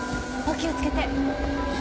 お気をつけて。